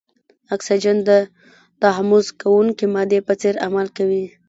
اکسیجن د تحمض کوونکې مادې په څېر عمل کوي.